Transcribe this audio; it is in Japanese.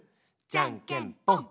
じゃんけんぽん！